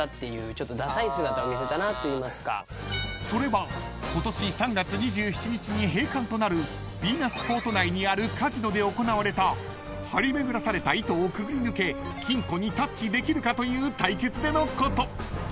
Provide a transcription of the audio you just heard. ［それは今年３月２７日に閉館となるヴィーナスフォート内にあるカジノで行われた張り巡らされた糸をくぐり抜け金庫にタッチできるかという対決でのこと］